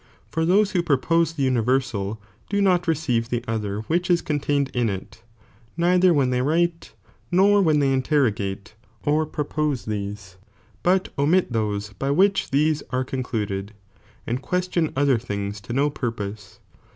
For those who propose the uni versal' do not receive the other which is contained in it,' neither when they write, nor when they interrogate, or pro pose these,* but omit those^ by wliich these are concluded, and question other things to no purpose.